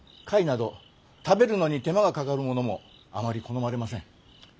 貝など食べるのに手間がかかるものもあまり好まれません。